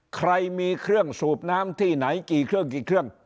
ใครมีเครื่องสูบน้ำที่ไหนกี่เครื่องกี่เครื่อง